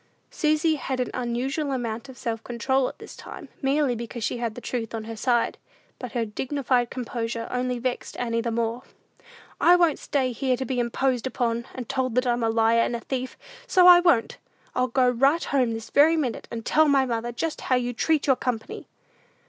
Susy had an unusual amount of self control at this time, merely because she had the truth on her side. But her dignified composure only vexed Annie the more. "I won't stay here to be imposed upon, and told that I'm a liar and a thief; so I won't! I'll go right home this very minute, and tell my mother just how you treat your company!"